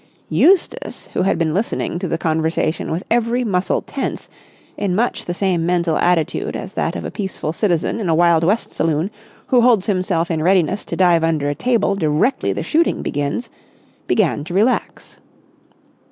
Eustace, who had been listening to the conversation with every muscle tense, in much the same mental attitude as that of a peaceful citizen in a Wild West Saloon who holds himself in readiness to dive under a table directly the shooting begins, began to relax.